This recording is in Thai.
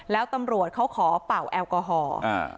แล้วตำรวจเขาขอเป่าแอลกอฮอล์